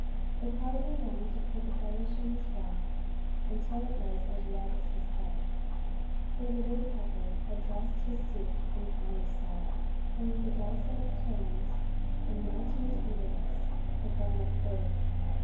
The Cardinal longed to pull the feathers from his back until it was as red as his head, for the woodpecker had dressed his suit in finest style, and with dulcet tones and melting tenderness had gone acourting.